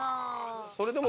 それでも。